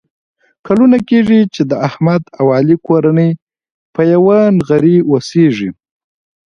کلونه کېږي چې د احمد او علي کورنۍ په یوه نغري اوسېږي.